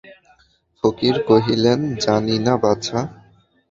ফকির কহিলেন, জানি না বাছা।